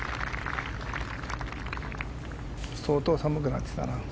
相当、寒くなってきたな。